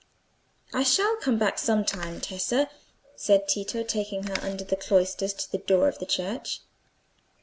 "I shall come back some time, Tessa," said Tito, taking her under the cloisters to the door of the church.